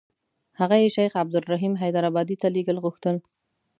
هغه یې شیخ عبدالرحیم حیدارآبادي ته لېږل غوښتل.